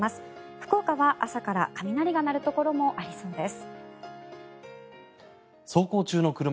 福岡は朝から雷が鳴るところもありそうです。